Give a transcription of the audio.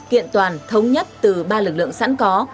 kiện toàn thống nhất từ ba lực lượng sẵn có